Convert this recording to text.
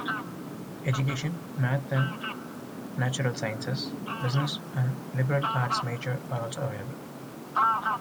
Education, math and natural sciences, business, and liberal arts majors are also available.